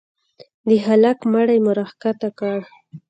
د هلك مړى مو راكښته كړ.